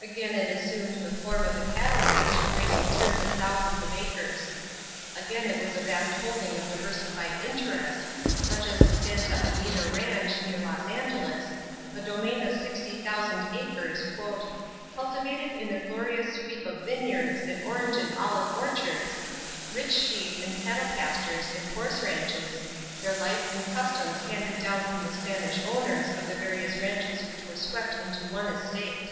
Again it assumed the form of the cattle ranch embracing tens of thousands of acres. Again it was a vast holding of diversified interest, such as the Santa Anita ranch near Los Angeles, a domain of 60,000 acres "cultivated in a glorious sweep of vineyards and orange and olive orchards, rich sheep and cattle pastures and horse ranches, their life and customs handed down from the Spanish owners of the various ranches which were swept into one estate."